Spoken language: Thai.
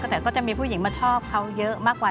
แต่ก็จะมีผู้หญิงมาชอบเขาเยอะมากกว่า